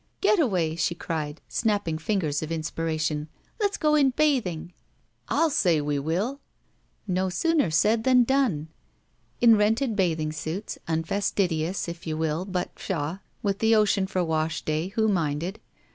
"Getaway," she cried, snapping fingers of inspira tion, "let's go in bathing!" 'TU say we will!" No sooner said than done. In rented bathing suits, tmf astidious, if you will, but, pshaw ! with the ocean for wash day, who minded